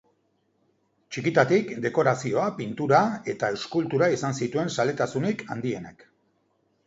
Txikitatik, dekorazioa, pintura eta eskultura izan zituen zaletasunik handienak.